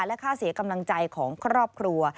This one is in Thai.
และค่าเสียกำลังใจของครอบครัว